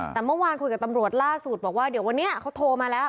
แต่เมื่อวานคุยกับตำรวจล่าสุดบอกว่าเดี๋ยววันนี้เขาโทรมาแล้ว